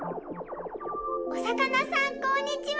おさかなさんこんにちは！